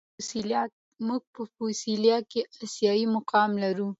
موږ په فوسال کې آسیايي مقام لرو.